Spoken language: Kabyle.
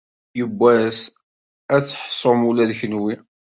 Yiwwas ad s-tḥussem ula d kunwi.